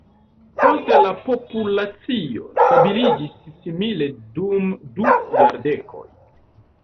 Poste la populacio stabiliĝis simile dum du jardekoj.